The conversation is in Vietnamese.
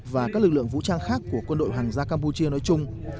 và các lực lượng vũ trang khác của quân đội hoàng gia campuchia nói chung